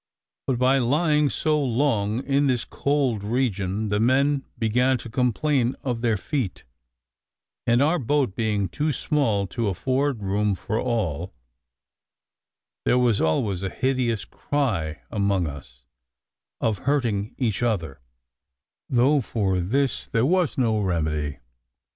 But by lying so long in this cold region, the men began to complain of their feet; and our boat being too small to afford room for all, there was always a hideous cry among us of hurting each other, though for this there was no remedy.